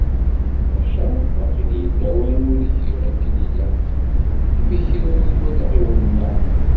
Maca waqil yella wayen ur giɣ akken ilaq, imi kra ur t-walaɣ iwenneε.